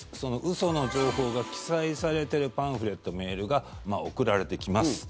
嘘の情報が記載されてるパンフレット、メールが送られてきます。